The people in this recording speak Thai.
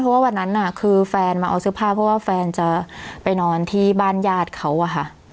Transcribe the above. เพราะว่าวันนั้นน่ะคือแฟนมาเอาเสื้อผ้าเพราะว่าแฟนจะไปนอนที่บ้านญาติเขาอะค่ะ